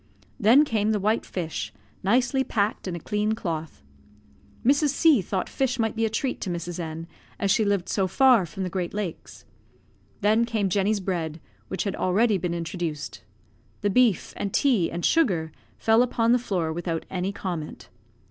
Then came the white fish, nicely packed in a clean cloth. "Mrs. C thought fish might be a treat to Mrs. N , as she lived so far from the great lakes." Then came Jenny's bread, which had already been introduced. The beef, and tea, and sugar, fell upon the floor without any comment.